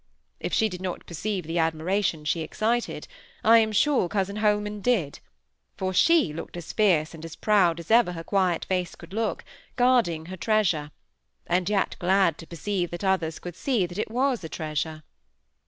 If she did not perceive the admiration she excited, I am sure cousin Holman did; for she looked as fierce and as proud as ever her quiet face could look, guarding her treasure, and yet glad to perceive that others could see that it was a treasure.